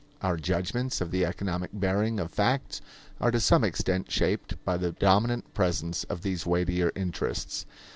Our judgments of the economic bearing of facts are to some extent shaped by the dominant presence of these weightier interests.